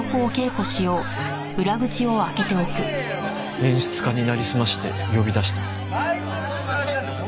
演出家になりすまして呼び出した。